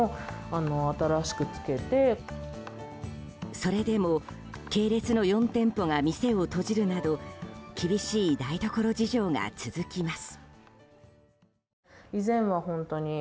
それでも、系列の４店舗が店を閉じるなど厳しい台所事情が続きます。